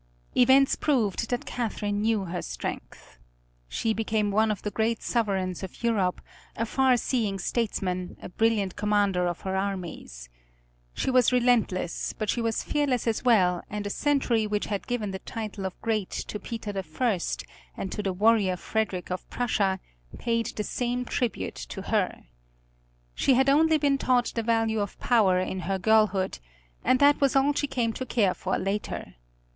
Events proved that Catherine knew her strength. She became one of the great sovereigns of Europe, a far seeing statesman, a brilliant commander of her armies. She was relentless, but she was fearless as well, and a century which had given the title of Great to Peter the First, and to the warrior Frederick of Prussia, paid the same tribute to her. She had only been taught the value of power in her girlhood, and that was all she came to care for later.